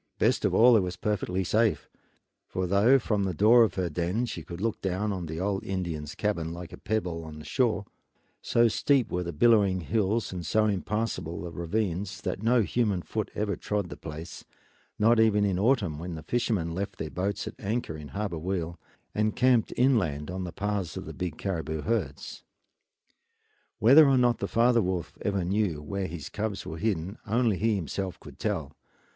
Best of all it was perfectly safe; for though from the door of her den she could look down on the old Indian's cabin, like a pebble on the shore, so steep were the billowing hills and so impassable the ravines that no human foot ever trod the place, not even in autumn when the fishermen left their boats at anchor in Harbor Weal and camped inland on the paths of the big caribou herds. Whether or not the father wolf ever knew where his cubs were hidden only he himself could tell.